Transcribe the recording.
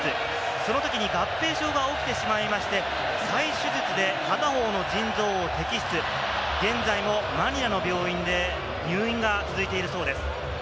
そのときに合併症が起きてしまいまして、再手術で片方の腎臓を摘出、現在もマニラの病院で入院が続いているそうです。